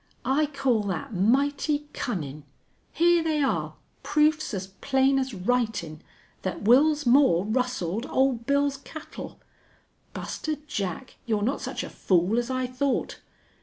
"I call that mighty cunnin'. Here they are proofs as plain as writin' that Wils Moore rustled Old Bill's cattle!... Buster Jack, you're not such a fool as I thought....